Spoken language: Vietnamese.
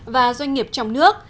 và doanh nghiệp trong nước